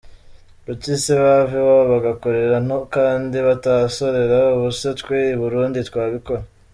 Kuki se bava iwabo bagakorera ino kandi batahasorera ubu se twe i Burundi twabikora ?”.